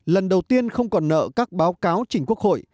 lần đầu tiên không còn nợ các báo cáo chỉnh quốc hội